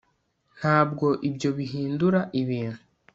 ntabwo ibyo bihindura ibintu